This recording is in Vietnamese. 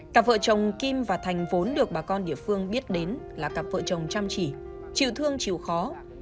cặp vợ chồng kim và thành vốn được bà con địa phương biết đến là cặp vợ chồng chăm chỉ chịu thương chịu khó